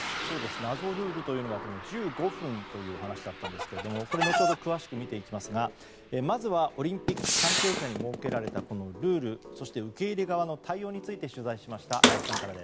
謎ルールというのは１５分という話だったんですがこれは後ほど詳しく見ていきますがまずは、オリンピック関係者に設けられたルール、そして受け入れ側の対応について取材しました。